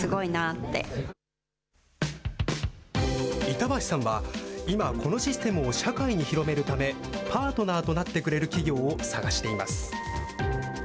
板橋さんは、今、このシステムを社会に広めるため、パートナーとなってくれる企業を探しています。